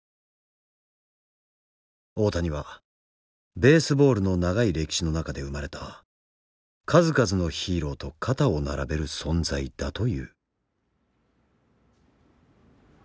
大谷はベースボールの長い歴史の中で生まれた数々のヒーローと肩を並べる存在だという。